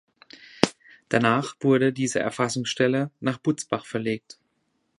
Danach wurde diese Erfassungsstelle nach Butzbach verlegt.